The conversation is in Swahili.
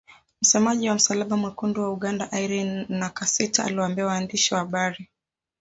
Msemaji wa Msalaba Mwekundu wa Uganda Irene Nakasita aliwaambia waandishi wa habari